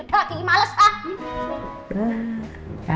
udah gigi males hah